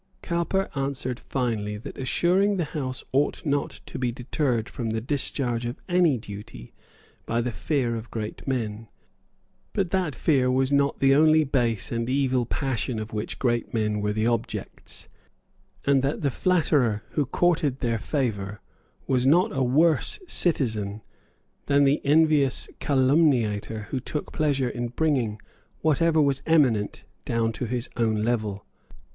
Cowper answered finely that assuredly the House ought not to be deterred from the discharge of any duty by the fear of great men, but that fear was not the only base and evil passion of which great men were the objects, and that the flatterer who courted their favour was not a worse citizen than the envious calumniator who took pleasure in bringing whatever was eminent down to his own level.